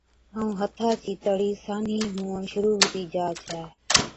ائُون هٿا چِي تڙِي سانهِي هُوَڻ شرُوع هُتِي جا ڇَي۔